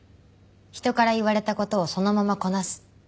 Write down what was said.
人から言われた事をそのままこなす。